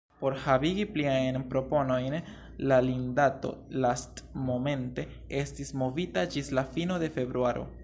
Por havigi pliajn proponojn la limdato lastmomente estis movita ĝis la fino de februaro.